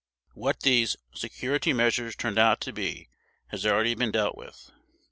What these "security measures" turned out to be has already been dealt with.